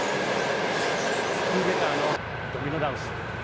クーデターのドミノ倒し。